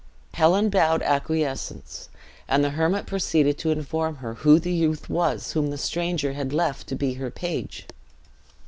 Helen bowed acquiescence; and the hermit proceeded to inform her who the youth was whom the stranger had left to be her page.